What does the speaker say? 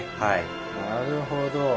なるほど。